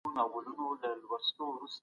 که په کاغذ رنګ لوېدلی وي توري لوستل کیږي.